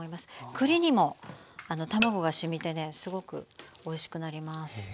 栗にも卵がしみてねすごくおいしくなります。